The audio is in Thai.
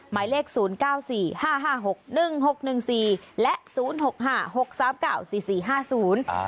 หมายเลขศูนย์เก้าสี่ห้าห้าหกหนึ่งหกหนึ่งสี่และศูนย์หกห้าหกสามเก้าสี่สี่ห้าศูนย์อ่า